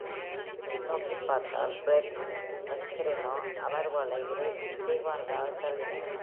பின்னோக்கிப் பார்த்தால், Fred Mascherino அமர்வுகளை விரைவானதாகக் கருதினார்.